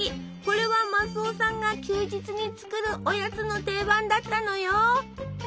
これはマスオさんが休日に作るおやつの定番だったのよ！